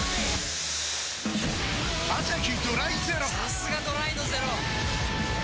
さすがドライのゼロ！